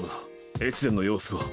越前の様子は。